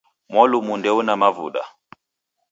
Mwalumu ndeuna mavuda